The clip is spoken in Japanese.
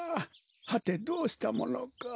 はてどうしたものか。